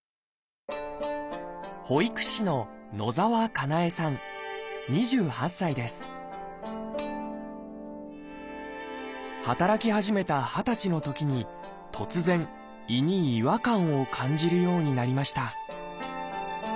保育士の働き始めた二十歳のときに突然胃に違和感を感じるようになりました